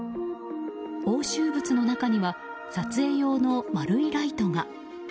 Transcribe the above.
押収物の中には撮影用の丸いライトが。